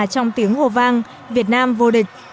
trong tiếng hồ vang việt nam vô địch